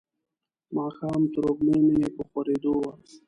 ماښام تروږمۍ په خورېدو وه.